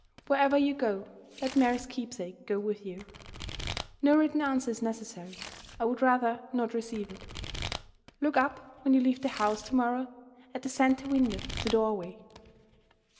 Wherever you go, let Mary's keepsake go with you. No written answer is necessary I would rather not receive it. Look up, when you leave the house to morrow, at the center window over the doorway that will be answer enough."